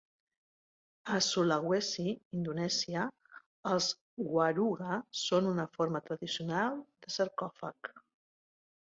A Sulawesi, Indonèsia, els waruga són una forma tradicional de sarcòfag.